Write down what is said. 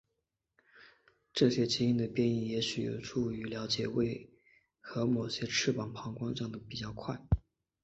这些因基的变异也许有助于了解为何某些膀膀胱癌长得比较快。